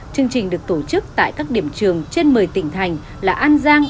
chương trình được tổ chức tại các điểm trường trên một mươi tỉnh thành là an giang